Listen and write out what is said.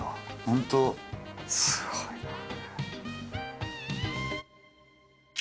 本当すごいなあ！